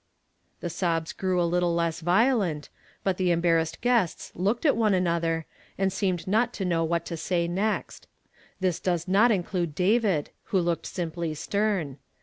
The sobs grew a little less violent; hut the embarrassed guests looked at one another, and seemed not to know what to say next. This does not include David, who looked simply stern.